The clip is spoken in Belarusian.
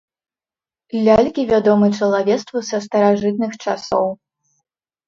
Лялькі вядомы чалавецтву са старажытных часоў.